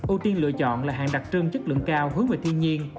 ưu tiên lựa chọn là hàng đặc trưng chất lượng cao hướng về thiên nhiên